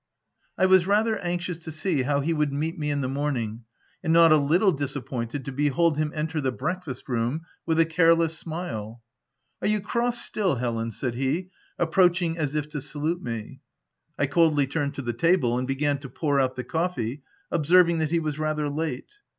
85 I was rather anxious to see how he would meet me in the morning, and not a little dis appointed to behold him enter the breakfast room with a careless smile. "Are you cross stilly Helen ?" said he, ap proaching as if to salute me. I coldly turned to the table, and began to pour out the coffee, observing that he was rather late.